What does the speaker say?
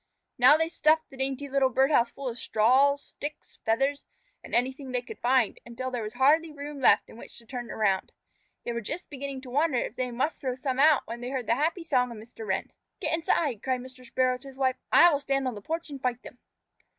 Now they stuffed the dainty little bird house full of straws, sticks, feathers, and anything they could find, until there was hardly room left in which to turn around. They were just beginning to wonder if they must throw some out when they heard the happy song of Mr. Wren. "Get inside!" cried Mr. Sparrow to his wife. "I will stand on the porch and fight them."